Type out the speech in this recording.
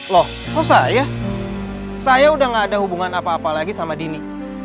loh kok saya saya udah gak ada hubungan apa apa lagi sama dini